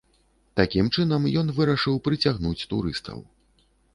Такім чынам ён вырашыў прыцягнуць турыстаў.